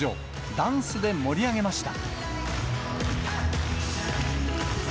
ダンスで盛り上げました。